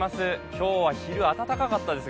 今日は昼、暖かかったです。